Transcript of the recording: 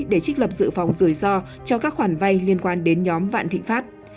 để trích lập dự phòng rủi ro cho các khoản vay liên quan đến nhóm vạn thịnh pháp